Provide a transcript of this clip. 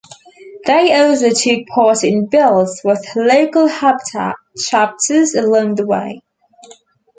They also took part in builds with local Habitat chapters along the way.